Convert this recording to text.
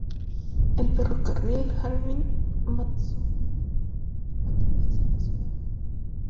El ferrocarril Harbin-Manzhouli atraviesa la ciudad.